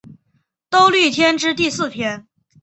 兜率天之第四天。